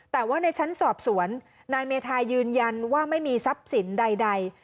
แต่ว่าในชั้นสอบสวนนายเมธายืนยันว่าไม่มีทรัพย์สินใด